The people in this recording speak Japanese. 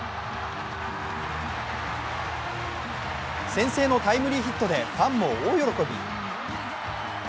先制のタイムリーヒットでファンも大喜び。